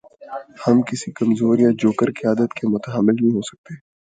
ہم کسی کمزور یا جوکر قیادت کے متحمل نہیں ہو سکتے۔